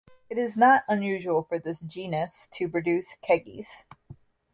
It is not unusual for this genus to produce keikes.